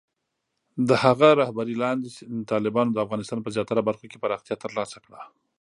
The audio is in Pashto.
د هغه رهبرۍ لاندې، طالبانو د افغانستان په زیاتره برخو کې پراختیا ترلاسه کړه.